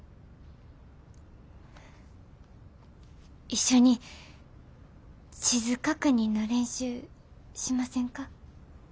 一緒に地図確認の練習しませんか？